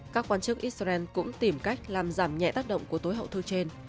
các quan chức israel cũng tìm cách làm giảm nhẹ tác động của tối hậu thư trên